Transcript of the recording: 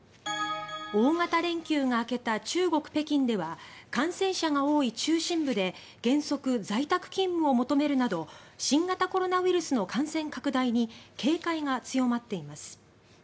大型連休が明けた中国・北京では感染者が多い中心部で原則、在宅勤務を求めるなど新型コロナウイルスの感染拡大に警戒が強まっています。